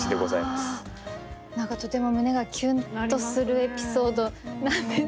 何かとても胸がキュンとするエピソードなんですけど。